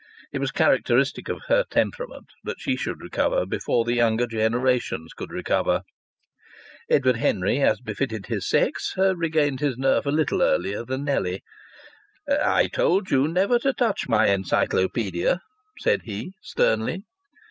It was characteristic of her temperament that she should recover before the younger generations could recover. Edward Henry, as befitted his sex, regained his nerve a little earlier than Nellie. "I told you never to touch my Encyclopaedia," said he, sternly.